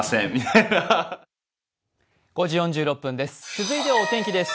続いてはお天気です。